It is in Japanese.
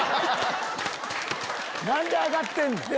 何で上がってんねん！